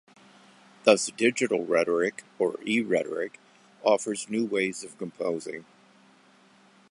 Thus digital rhetoric, or eRhetoric offers new ways of composing.